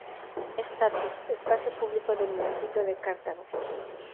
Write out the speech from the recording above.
Estatus: Espacio público del Municipio de Cartago.